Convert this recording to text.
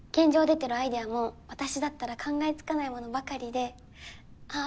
出てるアイデアも私だったら考えつかないものばかりでああ